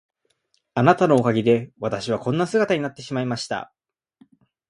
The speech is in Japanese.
あなたのおかげで私はこんな姿になってしまいました。